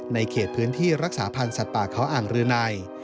เขตพื้นที่รักษาพันธ์สัตว์ป่าเขาอ่างรืนัย